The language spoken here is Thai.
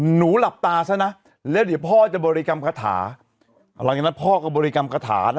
หนูหลับตาซะนะแล้วเดี๋ยวพ่อจะบริกรรมคาถาหลังจากนั้นพ่อก็บริกรรมคาถานะ